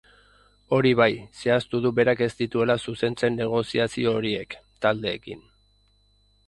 Hori bai, zehaztu du berak ez dituela zuzentzen negoziazio horiek, taldeekin.